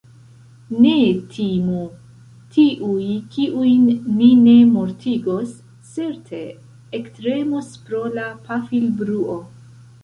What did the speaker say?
Ne timu! Tiuj, kiujn ni ne mortigos, certe ektremos pro la pafilbruo.